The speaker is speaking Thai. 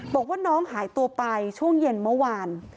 บอกว่าน้องหายตัวไปช่วงเย็นเมื่อวาน